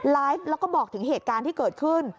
ไลฟ์แล้วก็บอกถึงเหตุการณ์ที่เกิดขึ้น